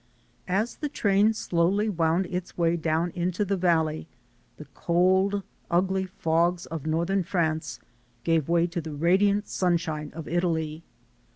As the train slowly wound its way down into the valley, the cold, ugly fogs of northern France gave way to the radiant sunshine of Italy.